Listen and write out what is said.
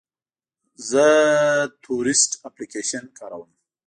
زه تورسټ اپلیکیشن کاروم.